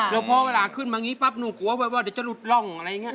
แล้วพอเวลาขึ้นมาอย่างนี้ปั๊บหนูกลัวแบบว่าเดี๋ยวจะหลุดร่องอะไรอย่างนี้